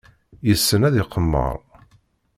Yessen ad iqemmer.